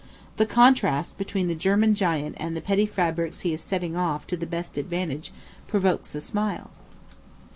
The contrast between the German giant and the petty fabrics he is setting off to the best advantage, provokes a smile.